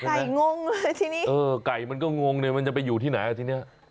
กัยงงเลยที่นี่เออไก่มันก็งงเลยมันจะไปอยู่ที่ไหนที่นี่